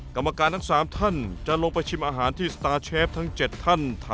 กรรมการทั้ง๓ท่านจะลงไปชิมอาหารที่สตาร์เชฟทั้ง๗ท่าน